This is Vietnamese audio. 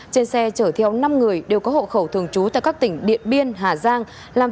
trên xe chở theo năm người đều có hộ khẩu thường trú tại các tỉnh điện biên hà giang